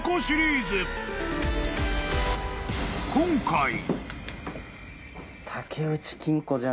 ［今回］